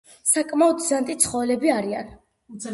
საკმაოდ ზანტი ცხოველები არიან.